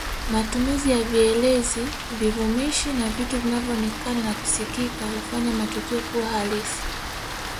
Matumizi ya vielezi vivumishi na vitu vinavyoonekana na kusikika hufanya matukio kuwa halisi